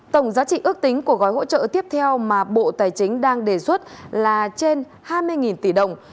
tổng giá trị ước tính của gói hỗ trợ tiếp theo mà bộ tài chính đang đề xuất là trên hai mươi tỷ đồng